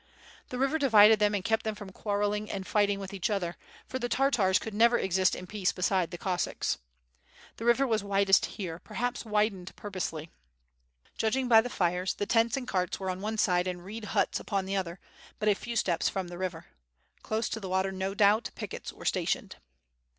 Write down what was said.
The river divided them and kept them from quarreling and fight ing with each other, for the Tartars could never exist in peace beside the Cossacks. The river was widest here, per haps widened purposely. Judging by the fires the tents and carts were on one side and reed huts upon the other, but a few steps from the river. Close to the water, no doubt, pickets were stationed.